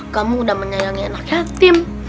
kamu udah menyayangi anak yatim